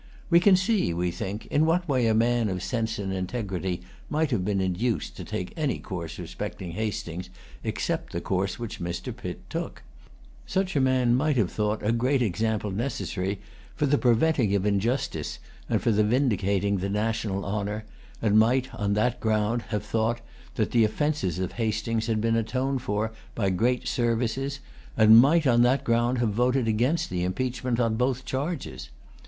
We can see, we think, in what way a man of sense and integrity might have been induced to take any course respecting Hastings except the course which Mr. Pitt took. Such a man might have thought a great example necessary, for the preventing of injustice and for the vindicating the national honor, and might, on that ground, have voted for impeachment both on the Rohilla charge and on the Benares charge. Such a man might have thought that the offences of Hastings had been atoned for by great services, and might, on that ground, have voted against the impeachment, on both charges.